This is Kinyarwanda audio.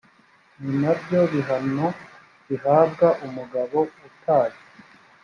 ni na byo bihano bihabwa umugabo utaye